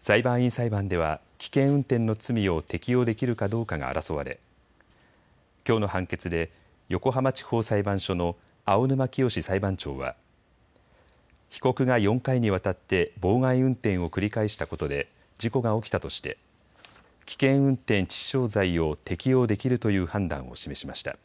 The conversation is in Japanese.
裁判員裁判では危険運転の罪を適用できるかどうかが争われ、きょうの判決で横浜地方裁判所の青沼潔裁判長は被告が４回にわたって妨害運転を繰り返したことで事故が起きたとして危険運転致死傷罪を適用できるという判断を示しました。